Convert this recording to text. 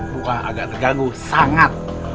bukan agak terganggu sangat